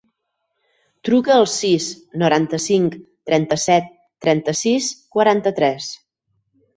Truca al sis, noranta-cinc, trenta-set, trenta-sis, quaranta-tres.